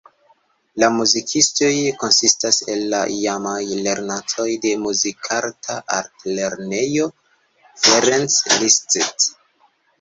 La muzikistoj konsistas el la iamaj lernantoj de Muzikarta Altlernejo Ferenc Liszt.